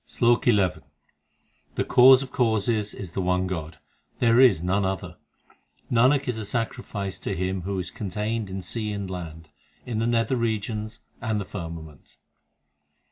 SLOK XI The Cause of causes is the One God, there is none other. Nanak is a sacrifice to Him who is contained in sea and land, in the nether regions and the firmament.